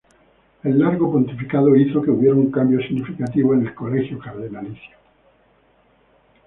El largo pontificado hizo que hubiera un cambio significativo en el Colegio Cardenalicio.